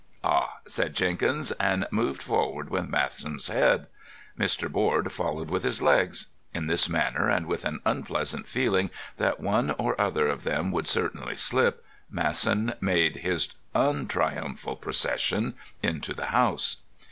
"Ah," said Jenkins, and moved forward with Masson's head. Mr. Board followed with his legs. In this manner, and with an unpleasant feeling that one or other of them would certainly slip, Masson made his untriumphal procession into the house.